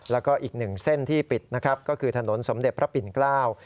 และก็อีกหนึ่งเส้นที่ปิดก็คือถนนสมเด็จพระปิ่นกล้าว